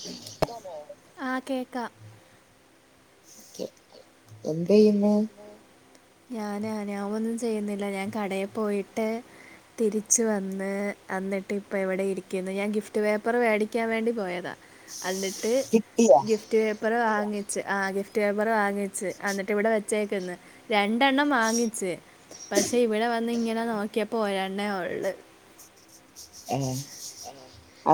കേക്കാമോ? ആ കേക്കാ ഓക്കെ. എന്തെയ്യുന്നു? ഞാനാ? ഞാ ഒന്നും ചെയ്യുന്നില്ല ഞാൻ കടയിൽ പോയിട്ട് തിരിച്ച് വന്ന് എന്നിട്ടിപ്പ ഇവിടെ ഇരിക്ക്ന്ന്. ഞാൻ ഗിഫ്റ്റ് പേപ്പറ് മേടിക്കാൻ വേണ്ടി പോയതാ എന്നിട്ട് ഗിഫ്റ്റ് പേപ്പർ വാങ്ങിച്ച് ആ ഗിഫ്റ്റ് പേ പ്പറ് വാങ്ങിച്ച്. എന്നിട്ട് ഇവിടെ വെച്ചേക്ക്ന്ന്. രൺ ണ്ടെണ്ണം വാങ്ങിച്ച്. പക്ഷെ ഇവിടെ വന്നിങ്ങ നെ നോക്കിയപ്പോ ഒരെണ്ണേ ഉള്ളൂ അങ്ങനെ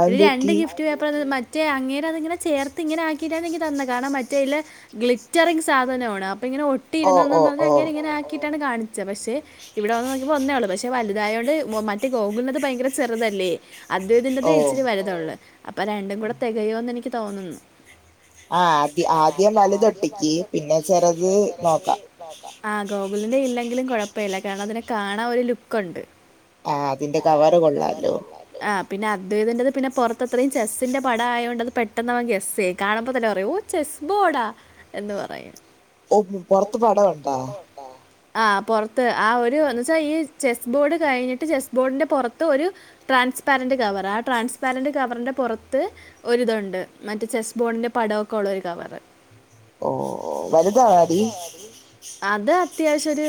ഇത് രണ്ട് ഗിഫ്റ്റ് പേപ്പർ മ റ്റേ അങ്ങേരതിങ്ങനെ ചേർത്ത് ഇങ്ങനെ ആക്കിട്ടാണ് എനിക്ക് തന്നെ. കാരണം മറ്റേയില് ഗ്ലിറ്ററിങ്ങ് സാധനാണ് അപ്പ ഇങ്ങനെ ഒട്ടിയിരുന്നെന്നും പറഞ്ഞാ അങ്ങേര് ഇങ്ങനെ ആക്കി ട്ടാണ് കാണിച്ചെ. പക്ഷെ ഇവിടെ വന്ന് നോക്കിയപ്പോ ഒന്നേ ഉള്ളൂ. പക്ഷെ വല്തായോണ്ട് മറ്റേ ഗോകുലിനത് ഭയങ്കര ചെറുതല്ലേ അദ്വൈതിന്റത് ഇച്ചിരി വല്തുള്ളെ. അപ്പൊ രണ്ടും കൂടെ തെകയോന്ന് എനിക്ക് തോന്നുന്നു ആ ആദ്യം ആദ്യം വലുതൊട്ടിക്ക്. പിന്നെ ചെറുത് നോക്കാം ആഹ് ഗോകുലിന്റെ ഇല്ലെങ്കിലും കൊഴപ്പില്ല കാരണം അതിനെ കാണാൻ ഒരു ലുക്ക്‌ണ്ട് ആ അതിന്റെ കവർ കൊള്ളാല്ലോ ആ പിന്നെ അദ്വൈതിന്റത് പിന്നെ പൊറത്തത്രയും ചെസ്സിൻ്റെ പടായോണ്ട് അത് പെട്ടെന്നവൻ ഗെസ്സ് ചെയ്യും. കാണുമ്പത്തന്നെ പറയും ഓഹ് ചെസ്സ് ബോർഡാ എന്ന് പറയും ഓ പൊറത്ത് പടവുണ്ടാ ആ പൊറത്ത് ആ ഒരു എന്ന് വെച്ചാ ഈ ചെസ്സ് ബോർഡ് കഴിഞ്ഞിട്ട് ചെസ്സ് ബോർഡിന്റെ പൊറത്ത് ഒരു ട്രാൻസ്പാരന്റ് കവറ് ആ ട്രാൻസ്പാരന്റ് കവറിൻ്റെ പൊറത്ത് ഒരിതുണ്ട് മറ്റെ ചെസ്സ് ബോർഡിന്റെ പ പടോക്കെ ഉള്ള ഒരു കവറ്. അത് അത്യാവശ്യൊരു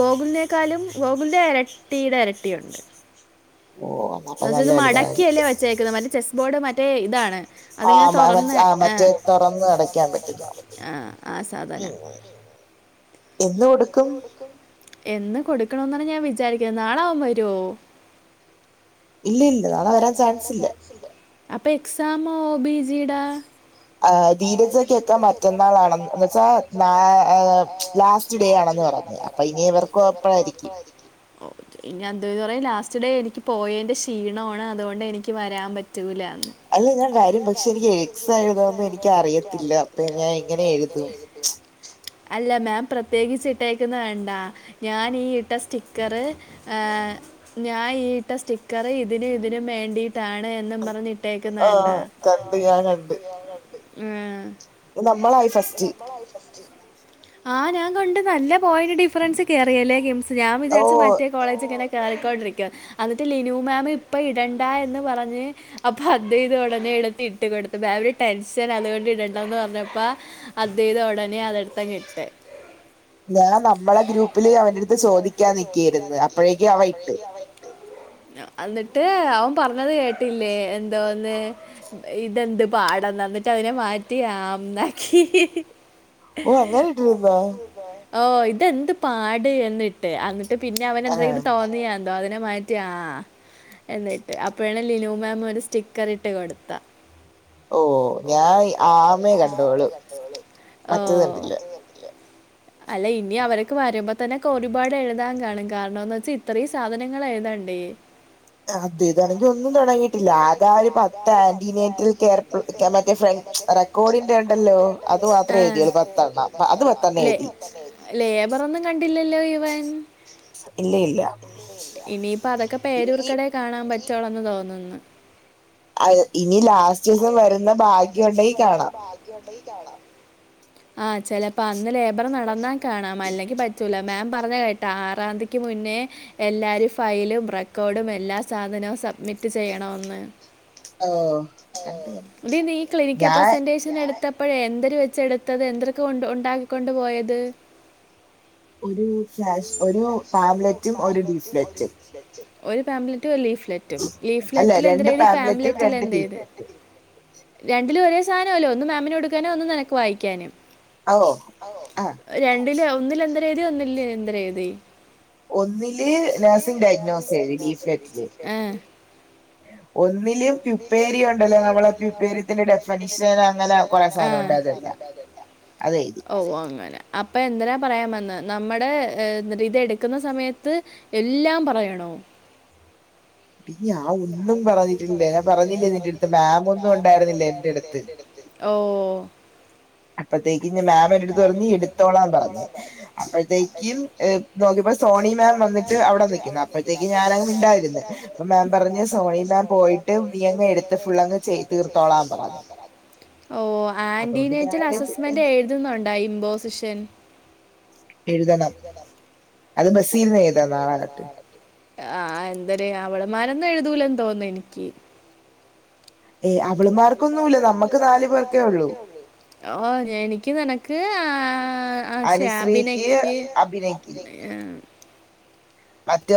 ഗോകുലിനെക്കാളും ഗോകുലിന്റെ എരട്ടിയുടെ എരട്ടിയുണ്ട് എന്ന്വെച്ചാ ഇത് മടക്കിയല്ലേ വെച്ചേക്കുന്നത് മറ്റേ ചെസ്സ് ബോർഡ് മറ്റേ ഇതാണ് അതിങ്ങനെ തൊറന്ന് ആ ആ ആ സാധനം [inaudible] എന്ന് കൊടുക്കും എന്ന് കൊട്ക്കണന്നാണ് ഞാൻ വിചാരിക്ക്ന്നത്. നാളെ അവൻ വരുവോ ഇല്ല ഇല്ല നാളെ വരാൻ ചാൻസില്ല അപ്പൊ എക്സാമോ ബീജി ഡാ ആ ധീരജക്കക്കെ മറ്റന്നാളാണെന്ന് എന്നെച്ചാ ലാസ് ലാസ്റ്റ് ഡേ ആണെന്ന് പറഞ്ഞ്. അപ്പൊ ഇനി ഇവർക്കും അപ്പഴായിരിക്കും. ഓക്കെ ഇനി എന്തോയ് പറയും ലാസ്റ്റ് ഡേ എനിക്ക് പോയയിന്റെ ക്ഷീണമാണ് അതുകൊണ്ട് എനിക്ക് വരാൻ പറ്റൂല അല്ല ഞാൻ വരും. പക്ഷെ എനിക്ക് എക്സാം എഴുതാനൊന്നും എനിക്കറിയത്തില്ല അപ്പ ഞാൻ എങ്ങനെ എഴുതും അല്ല മാം പ്ര ത്യേകിച്ച് ഇട്ടേക്ക്ന്ന കണ്ടാ? ഞാനീ ഇട്ട സ്റ്റിക്കറ് ഈഹ് ഞാ ഈ ഇട്ട സ്റ്റിക്കറ് ഇതിനു ഇതിനും മേണ്ടീ ട്ടാണ് എന്നും പറഞ്ഞിട്ടേക്ക്ന്ന കണ്ടാ? ആ കണ്ട് ഞാൻ കണ്ട്. ആ നമ്മളായി ഫസ്റ്റ് ആഹ് ഞാൻ കണ്ട്. നല്ല പോയിന്റ് ഡിഫറൻസ് കേറിയല്ലേ ഗെയിംസ് ഞാൻ വിചാരിച്ചു മറ്റേ കോളേജ്ങ്ങനെ കാറിക്കോണ്ടിരിക്കാ. എന്നിട്ട് ലിനു മാം ഇപ്പ ഇടണ്ട എന്ന് പറഞ്ഞ് അപ്പൊ അദ്വൈത് ഉടനെ എട്ത്തിട്ട് കൊട്ത്ത്. ആ ഒരു ടെൻഷൻ അത്കൊണ്ട് ഇടണ്ടാന്ന് പറഞ്ഞപ്പോ അദ്വൈത് ഒടനെ അതെട്ത്തങ്ങ് ഇച്ചെ ഞാ ഞമ്മള ഗ്രൂപ്പില് അവനിട്ട് ചോദിക്കാതിരിക്കായിരുന്നു അപ്പോഴേക്കും അവൻ ഇട്ട് [inaudible] എന്നിട്ട് അവൻ പറഞ്ഞത് കേട്ടില്ലേ എന്തോന്ന് ഇതെന്ത് പാടന്ന് അതിനെ മാറ്റി ആമം [unintelligible] ഓ അങ്ങനെ ഇട്ടിരുന്നോ ഓ ഇത് എന്ത് പാട് എന്നിട്ട് എന്നിട്ട് പിന്നെ അവൻ എന്തെങ്കിലും തോന്നിയ അതിനെ മാറ്റിയാ ആ എന്നിട്ട് അപ്പൊഴാണ് ലിനോ മാം ഒരു സ്റ്റിക്കർ ഇട്ട് കൊടുത്ത ഒ ഓ ഓ അല്ല ഇനി അവരൊക്കെ വരുമ്പോ തന്നെക്കൊരുപാട് എഴുതാൻ കാണും കാരണംന്ന് വച്ചാ ഇത്രയും സാധനങ്ങൾ എഴുതാ ന്ണ്ടേ അതെ ഇതാണെങ്കി ഒന്നും തുടങ്ങീട്ടില്ല ആകെ ആ ഒരു പത്ത് ആന്റീനേറ്റൽ കേരപ്പ്ൾ കേമാറ്റഫൈൽ റെക്കോർഡിന്റെ ഉണ്ടല്ലോ അത് മാത്രേ എഴുതിയൊള്ളൂ പത്തെണ്ണണം അത് പത്തെണ്ണം എഴുതി ലേബറൊന്നും കണ്ടില്ലല്ലോ ഇവൻ ഇനിയിപ്പ അതൊക്കെ പേരൂർ ക്കടെ കാണാൻ പ റ്റോളന്ന് തോന്നുന്നു ആ ഇനി ലാസ്റ്റീസം വരുന്ന ഭാഗ്യണ്ടെങ്കി കാണാം ആ ചെലപ്പോ അന്ന് ലേബർ നടന്നാ കാണാാം അല്ലെങ്കി പറ്റൂല മാം പ റഞ്ഞത് കേട്ട ആറാന്തിക്ക് മുന്നേ എല്ലാരും ഫയലും റെക്കോർഡും എല്ലാ സാധനവും സബ്മി റ്റ് ചെയ്യണമെന്ന് ഡീ നീ ക്ലിനിക്ക പ്രസന്റ്രേഷൻ എടുത്ത പ്പഴേ എന്തരു വെച്ച എടുത്തത് എന്തൊരെക്കെ കൊണ്ട് ഉ ഉണ്ടാക്കിക്കൊണ്ട് പോയത് ഒരു ഫ്ലാഷ് ഒരു പാംലറ്റും ഒരു ഡീഫ്ലറ്റും ഒരു പാംലെറ്റ് ലീഫ്ലറ്റും ലീഫ്ലെറ്റിൽ എന്തര് ചെയത് പാംലെറ്റിൽ എന്തെയ്ത് രണ്ടിലും ഒരേ സാനല്ലോ ഒന്ന് മാമിന് കൊടുക്കാനും ഒന്ന് നിനക്ക് വായിക്കാനും രണ്ടില് ഒന്നില് എന്തര് എഴുതി ഒന്നില് എന്തര് എഴുതി ഒന്നില് നഴ്സിംഗ് ഡയഗ്നോസെയ്തി ഡീഫ്ലറ്റില് ഒന്നി ല് ഫ്യുപ്പേരി ഉണ്ടല്ലേ നമ്മളെ ഫ്യുപ്പേരിയത്തിന്റെ ഡെഫിനഷൻ അങ്ങനെ കൊറേ സാനം ഉണ്ട് അതെല്ലാം ഓ അങ്ങനെ അപ്പൊ എന്തിനാ പറയാൻ വന്നെ ന മ്മടെ ഇത് എടുക്കുന്ന സമയത്ത് എല്ലാം പറയണോ ടീ ഞാൻ ഒന്നും പറ ഞ്ഞില്ല ഞാൻ പറഞ്ഞില്ലെ നിന്റട്ത്ത് മാമൊന്നും ഉണ്ടായിരുന്നില്ല എന്റെടുത്ത് ഓ അപ്പത്തേക്കും ഞ്ഞ് മാമെന്റെട്ത്ത് പറഞ്ഞ് നീ എടുത്തോളാൻ പ നിൽക്കുമ്പോൾ സോണി മാം വന്നിട്ട് അവിടെ നിക്കുന്നു അപ്പോഴത്തേക്ക് ഞാനങ് മിണ്ടായിതിരുന്ന് അപ്പൊ മാം പറഞ്ഞ് സോണി മാം പോയിട്ട് നീയങ്ങ് എടുത്ത് ഫുള്ളങ്ങ് ചെയ്തീർത്തോളാൻ പറഞ്ഞ് അതോണ്ട് റ്റൽ അസസ്മെന്റ് എഴുതുന്നുണ്ട ഇമ്പോസിഷൻ എഴുതണം അത് ബസ്സീന്ന് എഴുതാം നാളങ്ങട്ട് ആഹ എന്തര് അവളമാരൊന്നും എഴുതൂലെന്ന് തോന്നുന്നു എനിക്ക് അവള്മാർക്കൊന്നും ഇല്ല ഞമ്മക്ക് നാല് പേർക്കേ ഒള്ളു ഓ എനിക്ക് നിനക്ക് ആ ആ അ ശാബിനക്ക് അഭിനക്ക്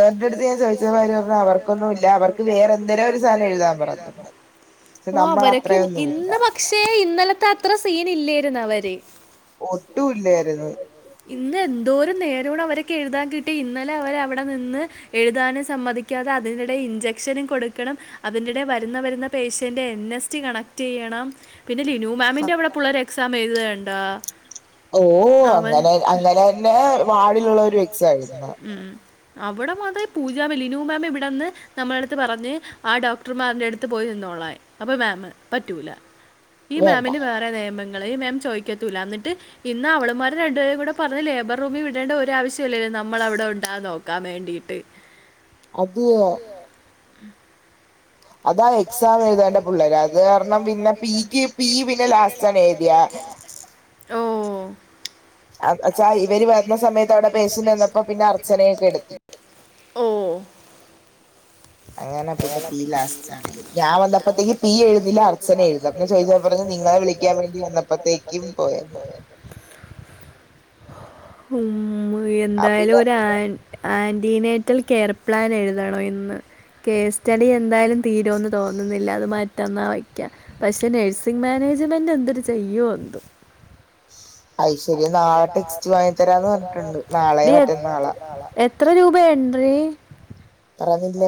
മറ്റവര്ടട്ത്ത് ഞാൻ ചോയ്ചപ്പൊ അവര് പറഞ്ഞു അവർക്കൊന്നും ഇല്ല അവർക്ക് വേറെന്തെരോ സാധനം എഴുതാൻ പറഞ്ഞു ഓ അവരൊക്കെ ഇന്ന് പക്ഷേ ഇന്നലത്തെ അത്ര സീൻ ഇല്ലേയിരുന്നു അവര് ഒട്ടുല്ലേനി ഇന്ന് എന്തോര് നേ രൂണ് അവര്ക്ക് എുതാൻ കിട്ടി ഇന്നലെ അവര് അവ ടെ നിന്ന് എഴുതാനും സമ്മതിക്കാതെ അതിനിടെ ഇൻജക്ഷനും കൊടുക്കണം അതിനിടെ വരുന്ന വരുന്ന പേ ഷ്യന്റെ എൻ എസ് ജി കണക്ടെയ്യണം പിന്നെ ലിനു മാമിന്റെ അവിടെ പുള്ളേര് എക്സാം എഴുതേണ്ടാ ഓ അങ്ങനെ അങ്ങനെ തന്നെ വാടിലുള്ള ഒരു എക്സ് ആയിരുന്ന് അവിടെ മാത്രെ പൂജാമ് ലിനൂ മാമ് ഇവിടെന്ന് നമ്മളട്ത്ത് പറഞ്ഞ് ആ ഡോക്ടർമാര്ടെ അടുത്ത് പോയി നിന്നോ കൊള്ളാൻ അപ്പ മാമ് പറ്റൂല ഈ മാമിന് വേറെ നിയമ. ങ്ങള് ഈ മാം ചോദിക്കത്തുല്ല എന്നിട്ട് ഇന്ന് അവളന്മാരെ രണ്ട്പേരേം കൂടെ പറഞ്ഞ് ലേബർ റൂമിൽ വിടേണ്ട ഒരാവശ്യല്ലല്ലോ നമ്മളവിടെ ഉണ്ടാ നോക്കാൻ മേണ്ടീട്ട് അതാ എക്സാം എഴുതേണ്ട പുള്ളേര അത് കാരണം പിന്നെ പീക്ക് പി പിന്നെ ലാസ്റ്റാണ് എഴുതിയ യ ഓ അത് ന്നെച്ചാ ഇവര് വരുന്ന സമയത്ത് അവിടെ പേഷ്യന്റ് വന്നപ്പോ പിന്നെ അർച്ചനയെ കെടത്തി ഓ അങ്ങനെ പിന്നെ പി ലാസ് ഞാൻ വന്നപ്പോഴത്തേക്ക് പി എഴുന്നില്ല ഞാൻ വന്നപത്തേക് നീ എഴുത്തില അർച്ചന എഴുതി അപ്പോ ചോദിച്ചപ്പോ പറഞ്ഞു നിങ്ങളെ വിളിക്കാൻ വേണ്ടി വന്നപ്പോതെക് യും പോയ ഉം എന്തായാലും ഒരു ആ ആന് ീനേറ്റൽ കെയർ പ്ലാൻ എഴുതാണോ ഇന്ന് കെയർ സ്റ്റഡി എന്തായാലും തീരുമെന്ന് തോന്നുന്നില്ല അത് മാറ്റ പെന്ന വയ്ക്ക പക്ഷെ നഴ്സിങ് മാനേജ്മെന്റ് എന്തൊരു ചെയ്യുവോ എന്തോ. അത് ശരിയ നാളെ [unintelligible] വാങ്ങിത്തരാന് പറഞ്ഞിട്ടുണ്ട് നാളെയോ മറ്റെന്നാളോ. എത്ര രൂപയണ്ടറി പറഞ്ഞില്ല.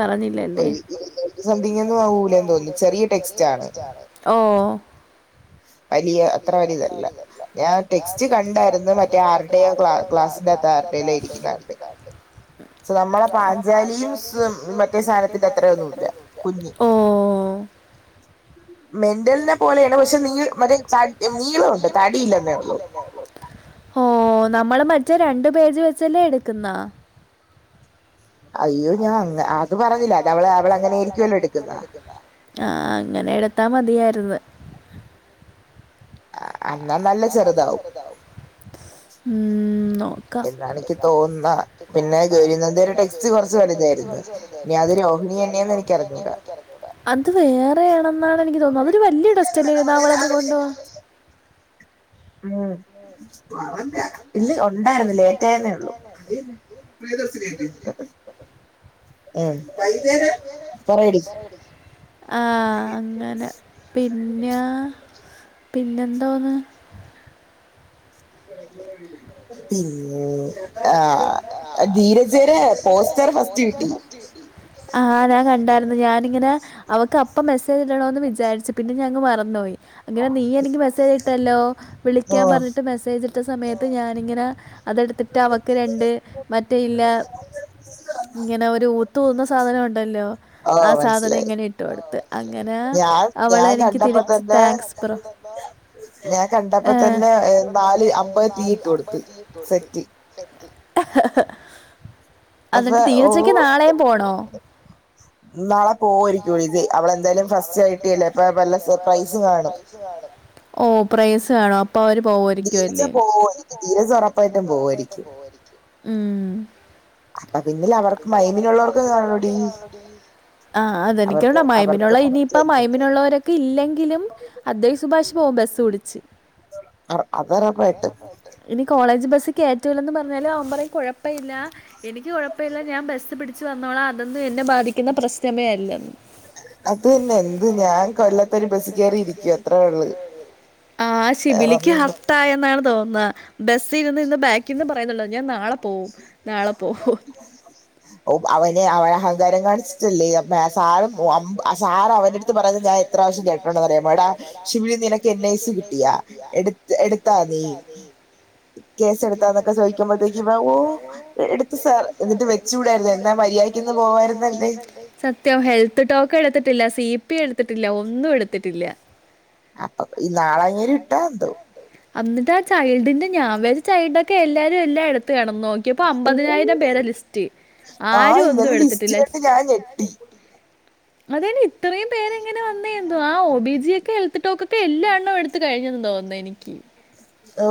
പറഞ്ഞില്ലല്ലേ [unintelligible] ചെറിയ ടെസ്റ്റാണ് ഓ വലിയ അത്ര വലിയ ഇതല്ല ഞാൻ ടെക്സ്റ്റ് കണ്ടായിരുന്നു മറ്റേ ആരുടെ ക്ലാസ്സിന്റെ അ ആ. ഇരിക്കുന്നെ നമ്മളെ പാഞ്ചാലിയും സ് ഓ മറ്റേ സാനത്തിന്റെ അത്രേ രൂപയ ഓ. മെഡലെ പോയത് പക്ഷെ നീ മ നീളുണ്ട് താടിയില്ലല്ലേ ഉള്ള ഓ നമ്മള് മറ്റേ രണ്ടു പേജ് വെച്ചല്ലേ എടുക്കുന്നാ. അയ്യോ ഞാ അത് പറഞ്ഞില്ല അത് അവൾ അങ്ങനെയായിരിക്കും എടുക്കുന്നെ ആ അങ്ങനെ എടുത്താ മതിയ ദ് വ എന്നാൽ നല്ല ചെറുതാവും. എന്നാണ് എനിക്ക് തോന്ന പിന്നെ ഒരു ടെക്സ്റ്റ് കൊറച്ച് പറ ടെക്സ്റ്റ്‌ കൊറച് വലുതായിരുന്നു [unintelligible] എനിക്ക് അറിഞ്ഞൂട അത് വേറെ ആണെന്നാണ് എനിക്ക് തോന്ന. അതൊരു വലിയ ഡസ്റ്റ് തന്നൊയിരുന്ന അവളന്ന് കൊണ്ടു പോവ ഉം ഇല്ല ഉണ്ടായിരുന്നു ലേറ്റ് ആയിന്നേ ഉള്ളൂ പ്രിയദർശിനി അല്ലെ? ആ വെയ്നേരം പറയടി. ആ അങ്ങനെ പിന. പിന്നെന്താന്ന്. പിന്നെ ആ ആ് ഞാൻ കണ്ടായിരുന്നു ഞാനിങ്ങനെ അവക്ക് അപ്പ മെസ്സേജ് ഇടണോ എന്ന് വിചാരിച്ചു പിന്നെ അങ്ങ് മറന്നപോയി. അങ്ങനെ നീ എനിക്ക് മെസ്സേജ് ഇട്ടല്ലോ വിളിക്കാൻ പറഞ്ഞിട്ട് മെസ്സേജ്. ട്ട സമയത്ത് ഞാനിങ്ങനെ അതെടുത്തിട്ട് അവക്ക് രണ്ട് മറ്റേ ഇല്ല ഇങ്ങനെ ഒരു ഊത്ത് ഊത്തുന്ന സാധനം ഉണ്ടല്ലോ. ആ സാധനം എങ്ങനെ ഇട്ടു കൊടുത്ത് അങ്ങനെ അവളെ എനിക്ക് തിരിച്ച് താങ്ക്സ് പറ ഹേ കണ്ടപ്പോ തന്നെ നാൽ അമ്മെ തീയിട്ട കൊടുത്തി എന്നിട്ട് തീനച്ചക്ക് നാളെയും പോണോ? നാളെ പോകായിരിക്കും ഇത് അവളെന്തായാലും ഫസ്റ്റ് ആയിട്ടല്ലേ ഇപ്പ വല്ല സർപ്രൈസും കാണും. ഓ പ്രേസ് ധീരജ പോവായിരിക്കും ധീരജ ഉറപ്പായിട്ടും പോവായിരിക്കും. ഉം അപ്പ പിനിൽ അവർക്ക് മൈമിനുള്ളവർക്ക് കാനോടി ആഹ് അതെനിക്കണ്ട മൈമിനുള്ള ഇനിയിപ്പ മയമിനുള്ളവരൊക്കെ ഇല്ലെങ്കിലും അദ് സുഭാഷ് പോകുമ്പ ബസ് പിടിച്ചു കേറ്റൂല്ലെന്ന് പറഞാൽ അവൻ പറയും കുഴപ്പമില്ല എനിക്ക് കുഴപ്പമില്ല ഞാൻ ബസ് പിടിച്ച് വന്നോളാം. അതോന്നും എന്നെ ബാധിക്കുന്ന പ്രശ്നമേ അല്ലന്ന് അത് തന്നെ എന്ത് ഞാൻ കൊല്ലാത്ത ഒരു ബസ്സി കയറി ഇരിക്കൂ അത്രേ ഉള്ളൂ. ആ ശിബിലിക്ക് ഹർട്ടായെന്നാണ് തോന്നുന്ന ബ അവനെ അവൻ അഹങ്കാരം കാണിച്ചിട്ടല്ലേ അപ് മ സാറും ഒ അമ്പ് സാറ് അവന്റെടുത്ത് പറയുന്നത് ഞാൻ എത്ര പ്രാവശ്യം കേട്ടിട്ടുന്നറിയമോ എടാ ശിബി നിനക്ക് എ നെസ് കിട്ടിയ എടുത്ത് എടുത്താ നീ കേസെടുത്താന്നൊക്കെ ചോയിക്കുമ്പഴത്തേ ഇവ ഓ എടുത്ത് സാർ എന്നിട്ട് വെച്ചൂടായിരുന്ന എന്താ മര്യാദക്ക്ന്ന് പോവായിരുന്ന എന്തെ ഹെൽത്ത് ടോക്ക് എടുത്തിട്ടില്ല സി പി എടുത്തിട്ടില്ല ഒന്നും എടുത്തിട്ടില്ല എന്നിട്ട് ആ ചൈൽഡിന്റെ ഞാൻ വിചരി ചൈൽഡ ഒ ക്കെ എല്ലാരും എല്ലാം എടുത്ത് കണുന്ന് നോക്കിപ്പോ അമ്പതിനായിരം പേരെ ലിസ്റ്റ് ആരും ഒന്നും എടുത്തിട്ടില്ല സ് അതേന് ഇത്രയും പേരെങ്ങനെ വന്നേ എന്തോ ആ ഒ ബി ജി ഒക്കെ ഹെല്‍ത്ത്ട്ടോക്കെ എല്ലാ എണ്ണം എടുത്ത് കഴിഞ്ഞെന്നും തോന്ന് എനിക്ക് ഓ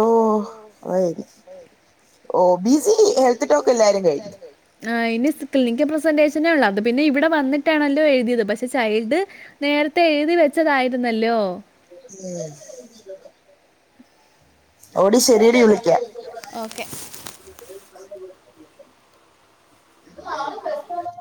അയരി [inaudible] ഓ ബിസി ഹെൽത്ത് ടോക്ക് എല്ലാരും കഴിഞ്ഞു ക്ലിനിക്കാ പ്രസന്റേഷനേഉള്ളൂ അത് പിന്നെ ഇവിടെ വന്നിട്ടാണല്ലോ എഴുതിയത് പ ച്ചതായിരുന്നല്ലോ [inaudible] ഓടി ശരിയെടി വിളിക്കാം ഓക്കെ [inaudible] [unintelligible]